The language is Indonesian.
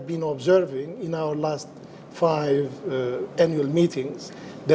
dalam pertemuan tahun terakhir kita